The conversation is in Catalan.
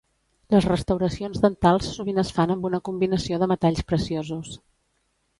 Les restauracions dentals sovint es fan amb una combinació de metalls preciosos.